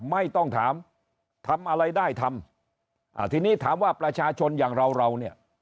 ไม่ต้องถามทำอะไรได้ทำอ่าทีนี้ถามว่าประชาชนอย่างเราเราเนี่ย